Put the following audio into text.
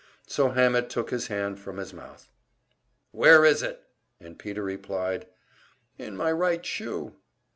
So Hammett took his hand from his mouth. "Where is it?" And Peter replied, "In my right shoe."